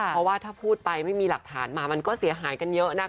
เพราะว่าถ้าพูดไปไม่มีหลักฐานมามันก็เสียหายกันเยอะนะคะ